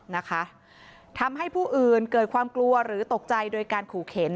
นะคะทำให้ผู้อื่นเกิดความกลัวหรือตกใจโดยการขู่เข็น